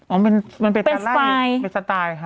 อ๋อมันเป็นเป็นสไตล์เป็นสไตล์ค่ะ